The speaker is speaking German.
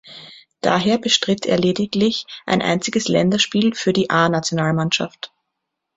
Daher bestritt er lediglich ein einziges Länderspiel für die A-Nationalmannschaft.